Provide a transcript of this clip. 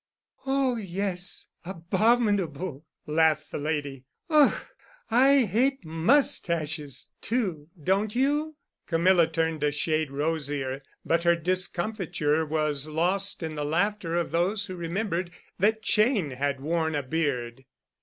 "Oh, yes, abominable," laughed the lady. "Ugh! I hate mustaches, too, don't you?" Camilla turned a shade rosier, but her discomfiture was lost in the laughter of those who remembered that Cheyne had worn a beard.